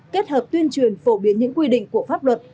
kết hợp tuyên truyền phổ biến những quy định của pháp luật